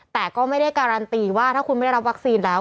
แต่ก็ไม่ได้การันตีว่าถ้าคุณไม่ได้รับวัคซีนแล้ว